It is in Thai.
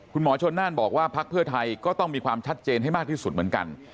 คุณหมอชนน่านบอกว่าพักเพื่อไทยก็ต้องมีความชัดเจนให้มากที่สุดเหมือนกัน